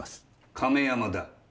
亀山だ。